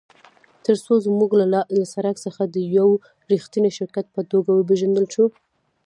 ترڅو موږ له سړک څخه د یو ریښتیني شرکت په توګه وپیژندل شو